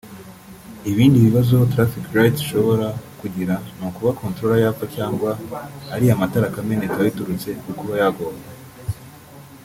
Ibindi bibazo ‘Traffic lights’ ishobora kugira ni ukuba controller yapfa cyangwa ariya matara akameneka biturutse ku kuba yagongwa